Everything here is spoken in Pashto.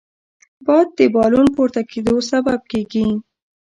باد د بالون پورته کېدو سبب کېږي